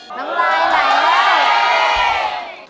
น้ำลายใหม่ได้